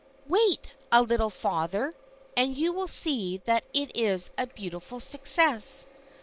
"Wait a little father, and you will see that it is a beautiful success.